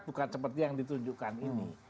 bukan seperti yang ditunjukkan ini